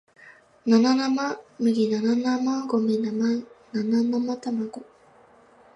七生麦七生米七生卵